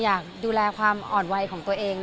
อยากดูแลความอ่อนไวของตัวเอง